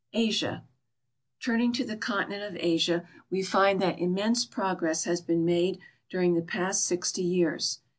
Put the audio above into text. ASIA Turning to the continent of Asia, we find that immense progress has been made during the past six; ty years.